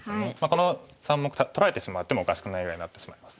この３目取られてしまってもおかしくないぐらいになってしまいます。